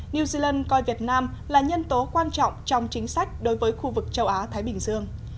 new zealand coi việt nam là nhân tố quan trọng trong chính sách đối với khu vực châu á thái bình dương